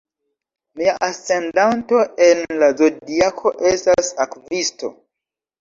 Mia ascendanto en la zodiako estas Akvisto.